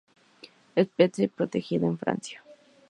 Especie protegida en Francia.